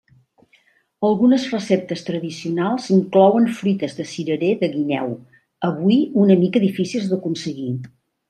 Algunes receptes tradicionals inclouen fruites de cirerer de guineu, avui una mica difícils d'aconseguir.